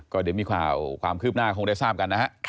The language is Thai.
ก็เดี๋ยวมีความคืบหน้าคงได้ทราบกันนะฮะ